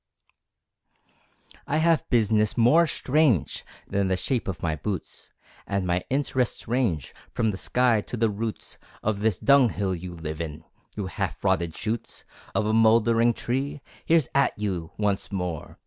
I have business more strange Than the shape of my boots, And my interests range From the sky, to the roots Of this dung hill you live in, You half rotted shoots Of a mouldering tree! Here's at you, once more.